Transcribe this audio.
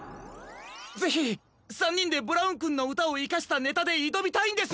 ぜひ３にんでブラウンくんのうたをいかしたネタでいどみたいんです！